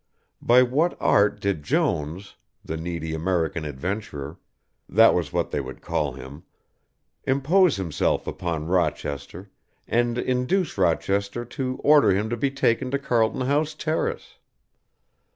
By what art did Jones, the needy American Adventurer that was what they would call him impose himself upon Rochester, and induce Rochester to order him to be taken to Carlton House Terrace?